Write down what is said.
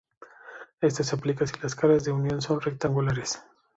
Esto se aplica si las caras de unión son rectangulares.